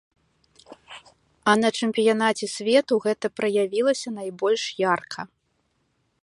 А на чэмпіянаце свету гэта праявілася найбольш ярка.